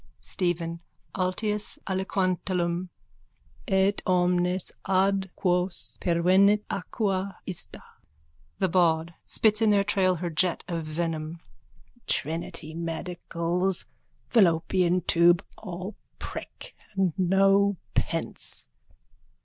Sst! STEPHEN: (Altius aliquantulum.) Et omnes ad quos pervenit aqua ista. THE BAWD: (Spits in their trail her jet of venom.) Trinity medicals. Fallopian tube. All prick and no pence.